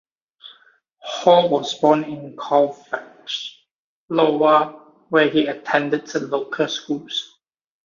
Hall was born in Colfax, Iowa, where he attended the local schools.